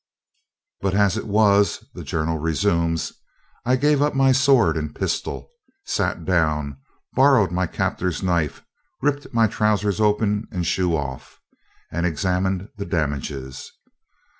] But as it was [the journal resumes], I gave up my sword and pistol, sat down, borrowed my captor's knife, ripped my trousers open and shoe off, and examined damages.